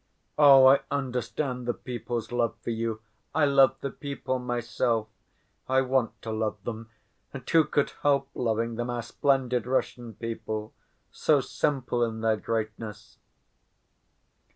"Oh, I understand the people's love for you. I love the people myself. I want to love them. And who could help loving them, our splendid Russian people, so simple in their greatness!"